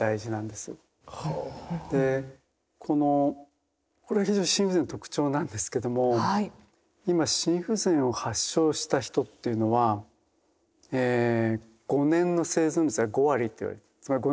でこのこれは非常に心不全の特徴なんですけども今心不全を発症した人っていうのは５年の生存率が５割といわれている。